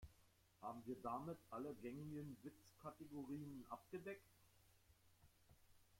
Haben wir damit alle gängigen Witzkategorien abgedeckt?